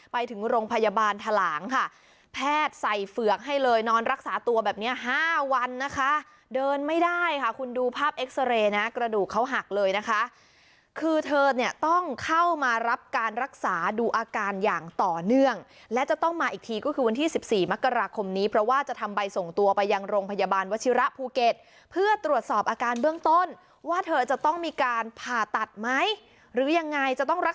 แพทย์ใส่เฝือกให้เลยนอนรักษาตัวแบบนี้๕วันนะคะเดินไม่ได้ค่ะคุณดูภาพเอ็กซ์เรย์นะกระดูกเขาหักเลยนะคะคือเธอเนี่ยต้องเข้ามารับการรักษาดูอาการอย่างต่อเนื่องและจะต้องมาอีกทีก็คือวันที่๑๔มกรคมนี้เพราะว่าจะทำใบส่งตัวไปยังโรงพยาบาลวชิระภูเกษเพื่อตรวจสอบอาการเบื้องต้นว่าเธอจะต